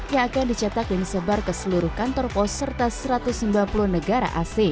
yang akan dicetak dan disebar ke seluruh kantor pos serta satu ratus sembilan puluh negara asing